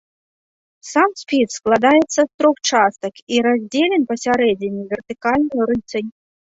Сам спіс складаецца з трох частак і раздзелен пасярэдзіне вертыкальнаю рысай.